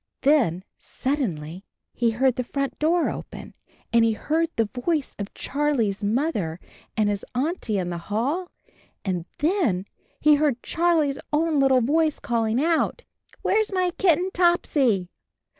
Then, suddenly, he heard the front door open, and he heard the voice of Charlie's AND HIS KITTEN TOPSY 25 Mother and his Auntie in the hall, and then he heard Charlie's own little voice calling out, "Where's my kitten Topsy?"